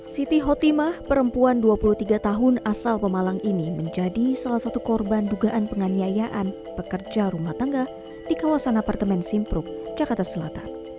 siti hotimah perempuan dua puluh tiga tahun asal pemalang ini menjadi salah satu korban dugaan penganiayaan pekerja rumah tangga di kawasan apartemen simpruk jakarta selatan